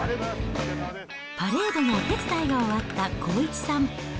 パレードのお手伝いが終わった康一さん。